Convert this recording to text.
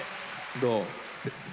どう？